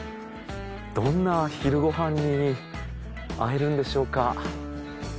どんな昼ご飯に会えるんでしょうか。